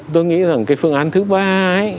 tôi nghĩ rằng cái phương án thứ ba ấy